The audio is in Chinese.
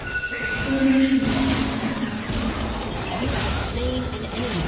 东京市民举行了盛大的庆祝活动。